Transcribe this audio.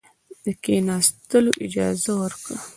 د کښېنستلو اجازه ورکړه.